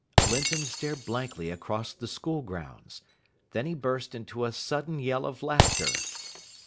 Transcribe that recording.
Linton stared blankly across the school grounds. Then he burst into a sudden yell of laughter.